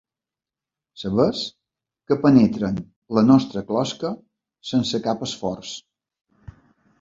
Sabers que penetren la nostra closca sense cap esforç.